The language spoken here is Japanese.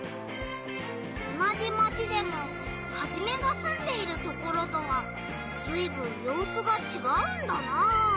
おなじマチでもハジメがすんでいるところとはずいぶんようすがちがうんだな。